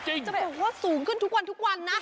จะเป็นว่าสูงขึ้นทุกวันนะ